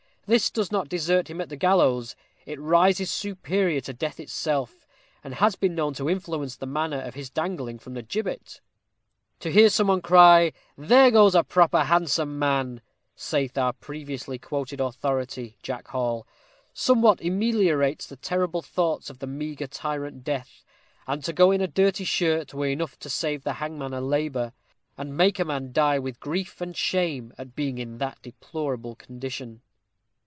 This does not desert him at the gallows; it rises superior to death itself, and has been known to influence the manner of his dangling from the gibbet! To hear some one cry, "There goes a proper handsome man," saith our previously quoted authority, Jack Hall, "somewhat ameliorates the terrible thoughts of the meagre tyrant death; and to go in a dirty shirt were enough to save the hangman a labor, and make a man die with grief and shame at being in that deplorable condition."